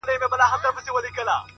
ورور د زور برخه ګرځي او خاموش پاتې کيږي